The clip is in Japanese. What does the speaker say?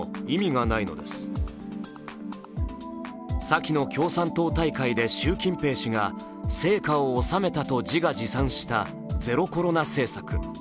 先の共産党大会で習近平氏が成果を収めたと自画自賛したゼロコロナ政策。